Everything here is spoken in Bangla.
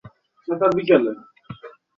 ওর অবস্থা কি বেশি খারাপ?